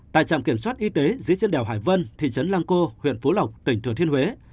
tại trạm kiểm soát y tế dưới trên đèo hải vân thị trấn lang co huyện phú lộc tỉnh thừa thiên huế